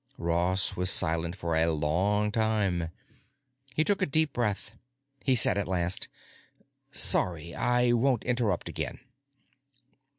Ross was silent for a long time. He took a deep breath. He said at last, "Sorry. I won't interrupt again."